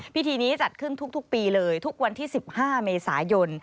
พิธีนี้จัดขึ้นทุกปีเลยทุกวันที่๑๕เมษายน